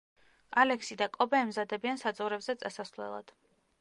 ალექსი და კობე ემზადებიან საძოვრებზე წასასვლელად.